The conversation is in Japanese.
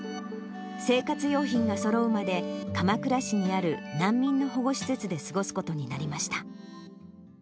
生活用品がそろうまで、鎌倉市にある難民の保護施設で過ごすことになりました。